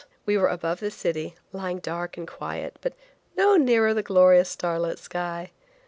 We were above the city, lying dark and quiet, but no nearer the glorious starlit sky.